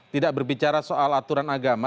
tidak berbicara soal aturan agama